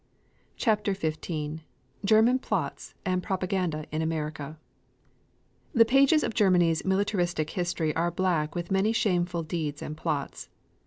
CHAPTER XV GERMAN PLOTS AND PROPAGANDA IN AMERICA The pages of Germany's militaristic history are black with many shameful deeds and plots.